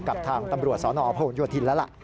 กับทางตำรวจสนพโยธินแล้วล่ะ